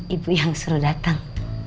ibu yang suruh datang